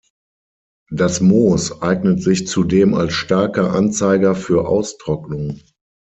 Das Moos eignet sich zudem als starker Anzeiger für Austrocknung.